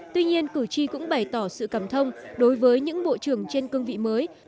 tuy nhiên cử tri cũng bày tỏ sự cảm thông đối với những bộ trưởng trên cương vị mới